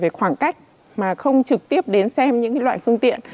về khoảng cách mà không trực tiếp đến xem những loại phương tiện